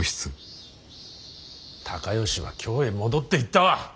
高能は京へ戻っていったわ！